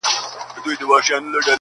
ماته په اورغوي کي ازل موجونه کښلي وه٫